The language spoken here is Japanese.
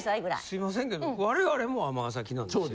すいませんけど我々も尼崎なんですよ。